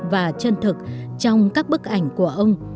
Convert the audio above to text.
và chân thực trong các bức ảnh của ông